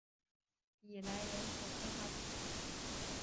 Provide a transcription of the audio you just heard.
比莱人口变化图示